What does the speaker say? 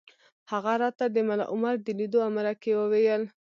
هغه راته د ملا عمر د لیدو او مرکې وویل